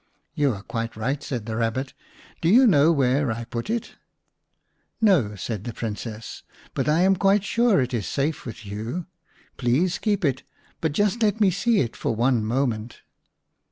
" You are quite right," said the Kabbit ;" do you know where I put it ?" "No," said the Princess, "but I am quite sure it is safe with you. Please keep it, but just let me see it for one moment."